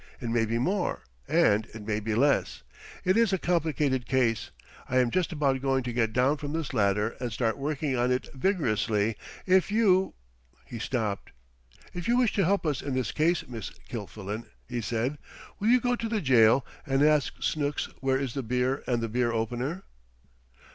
It may be more, and it may be less. It is a complicated case. I am just about going to get down from this ladder and start working on it vigorously. If you " He stopped. "If you wish to help us in this case, Miss Kilfillan," he said, "will you go to the jail and ask Snooks where is the beer and the beer opener?"